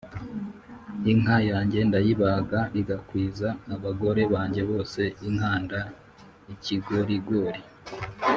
Inka yanjye ndayibaga igakwiza abagore banjye bose inkanda-Ikigorigori.